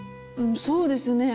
そうですねえ